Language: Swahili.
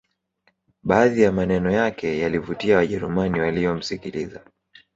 Baadhi ya maneno yake yalivutia wajerumani waliyomsikiliza